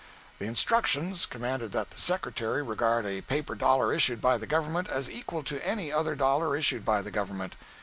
The "instructions" commanded that the Secretary regard a paper dollar issued by the government as equal to any other dollar issued by the government.